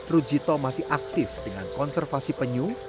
rujito masih aktif dengan konservasi penyu